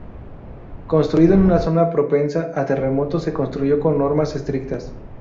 Construido en una zona propensa a terremotos se construyó con normas estrictas.